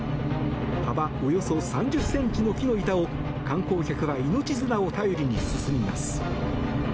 幅およそ３０ｃｍの木の板を観光客は命綱を頼りに進みます。